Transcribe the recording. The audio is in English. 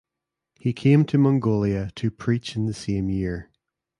He came to Mongolia to preach in the same year.